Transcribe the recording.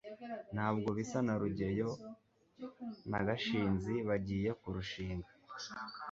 ntabwo bisa na rugeyo na gashinzi bagiye kurushinga